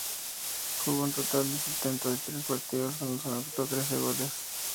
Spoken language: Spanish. Jugó un total de setenta y tres partidos en los que anotó trece goles.